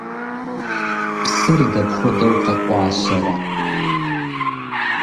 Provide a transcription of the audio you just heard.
Псыр дапхуэдэу къэкъуалъэрэ?